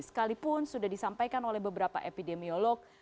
sekalipun sudah disampaikan oleh beberapa epidemiolog